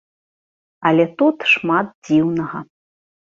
Але тут шмат дзіўнага.